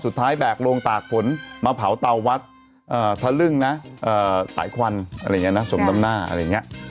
สุดท้ายแบกโรงตากฝนมาเผาเตาวัดทะลึ่งไหว้ควันชมน้ำหน้า